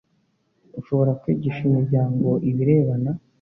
ushobora kwigisha imiryango ibirebana